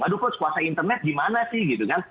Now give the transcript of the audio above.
aduh coach kuasa internet gimana sih gitu kan